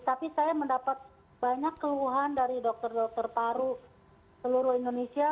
tapi saya mendapat banyak keluhan dari dokter dokter paru seluruh indonesia